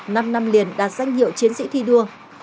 năm năm liền đạt danh hiệu chiến sĩ thi đua